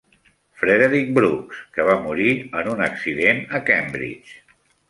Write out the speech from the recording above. Frederic Brooks, que va morir en un accident a Cambridge.